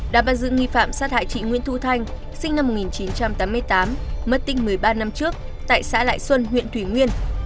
đảm bản dự nghi phạm sát hại chị nguyễn thu thanh sinh năm một nghìn chín trăm tám mươi tám mất tích một mươi ba năm trước tại xã lại xuân huyện thủy nguyên